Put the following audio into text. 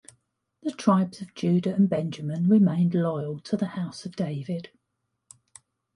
The tribes of Judah and Benjamin remained loyal to the House of David.